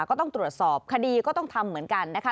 ก็ต้องตรวจสอบคดีก็ต้องทำเหมือนกันนะคะ